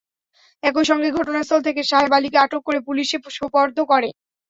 একই সঙ্গে ঘটনাস্থল থেকে সাহেব আলীকে আটক করে পুলিশে সোপর্দ করে।